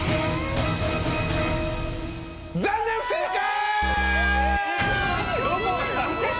残念、不正解！